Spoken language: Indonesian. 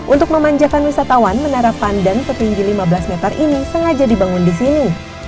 untuk memanjakan wisatawan menara pandan setinggi lima belas meter ini sengaja dibangun di sini